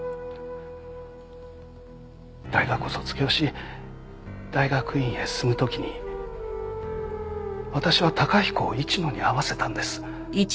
大学を卒業し大学院へ進む時に私は崇彦を市野に会わせたんです。